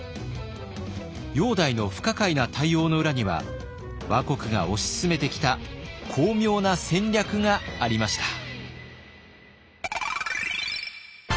煬帝の不可解な対応の裏には倭国が推し進めてきた巧妙な戦略がありました。